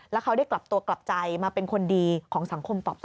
แล้วเขาได้กลับตัวกลับใจมาเป็นคนดีของสังคมต่อไป